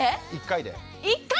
１回で⁉